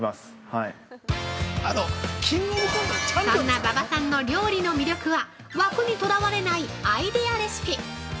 ◆そんな馬場さんの料理の魅力は枠にとらわれないアイデアレシピ。